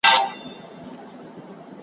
قوالې چي د جنت یې ورکولې .